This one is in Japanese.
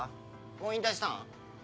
もう引退したん？